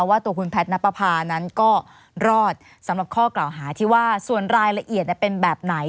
ว่าตัวคุณแพทย์นับประพานั้นก็รอดสำหรับข้อกล่าวหาที่ว่าส่วนรายละเอียดเป็นแบบไหน